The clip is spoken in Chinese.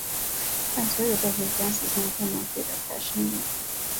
但所有这些相似性不能推得太深入。